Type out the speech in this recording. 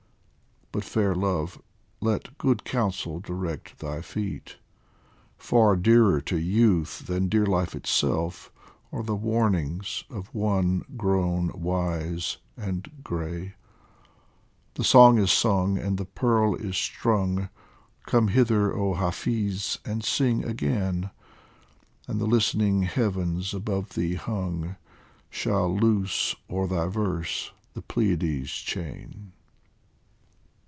But, fair Love, let good counsel direct thy feet ; Far dearer to youth than dear life itself Are the warnings of one grown wise and grey ! The song is sung and the pearl is strung ; Come hither, oh Hafiz, and sing again ! And the listening Heavens above thee hung Shall loose o'er thy verse the Pleiades' chain.